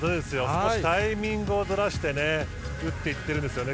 少しタイミングをずらして打っていってるんですね。